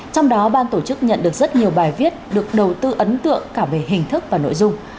trong đó ban tổ chức nhận được rất nhiều bài viết được đầu tư ấn tượng cả về hình thức và nội dung